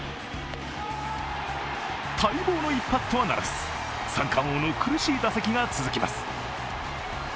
待望の一発とはならず、三冠王の苦しい打席が続きます。